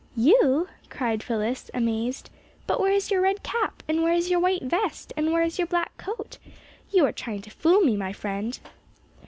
"You?" cried Phyllis, amazed. "But where is your red cap, and where is your white vest, and where is your black coat? You are trying to fool me, my friend."